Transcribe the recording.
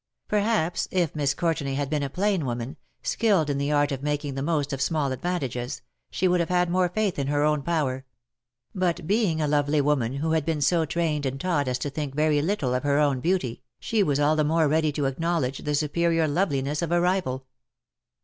Perhaps, if Miss Courtenay had been a plain woman, skilled in the art of making the most of small advantages, she would have had more faith in her own power; but being a lovely woman who had been so trained and taught as to think very little of her own beauty, she was all the more ready to acknowledge the superior loveliness of a rival.